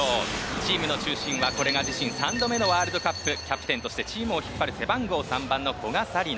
チームの中心は、これが自身３度目のワールドカップキャプテンとしてチームを引っ張る背番号３番の古賀紗理那。